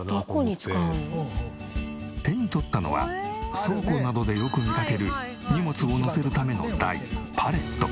手に取ったのは倉庫などでよく見かける荷物をのせるための台パレット。